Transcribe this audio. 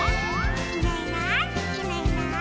「いないいないいないいない」